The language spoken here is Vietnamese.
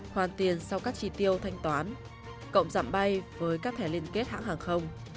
hoàn tiền sau các tri tiêu thanh toán cộng dặm bay với các thẻ liên kết hãng hàng không